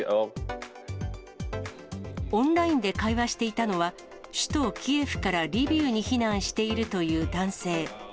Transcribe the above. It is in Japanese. オンラインで会話していたのは、首都キエフからリビウに避難しているという男性。